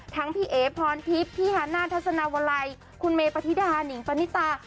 ทั้งพี่เอฟพรพิษพี่ฮานาทัศนาวลัยคุณเมย์ปฏิดาหนิงปณิตา